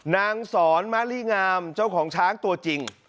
นางสอนมะลิงามเจ้าของช้างตัวจริง